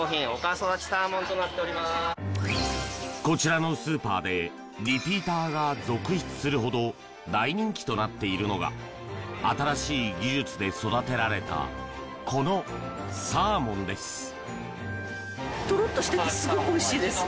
こちらのスーパーでリピーターが続出するほど大人気となっているのが新しい技術で育てられたこのサーモンです。